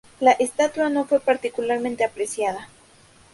La estatua no fue particularmente apreciada.